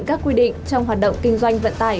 các quy định trong hoạt động kinh doanh vận tải